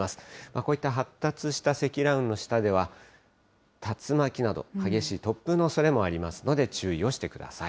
こういった発達した積乱雲の下では、竜巻など、激しい突風のおそれもありますので、注意をしてください。